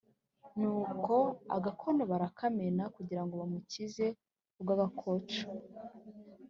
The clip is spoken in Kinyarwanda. Ni uko agakono barakamena kugirango bamukize rwagakoco.